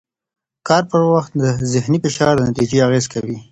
کار پر وخت ذهني فشار د نتیجې اغېز کوي.